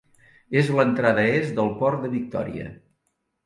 És l'entrada est del port de Victoria.